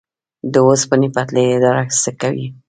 د اوسپنې پټلۍ اداره څه کوي؟